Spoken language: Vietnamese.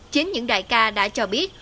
chính những đại ca đã cho biết